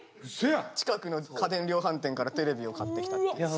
近くの家電量販店からテレビを買ってきた。